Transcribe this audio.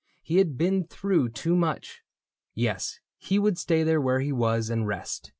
He had been through too much. Yes, he would stay There where he was and rest.